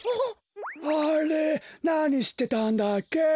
あれなにしてたんだっけ？